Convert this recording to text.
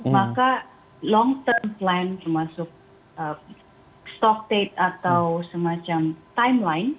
maka long term plan termasuk stocket atau semacam timeline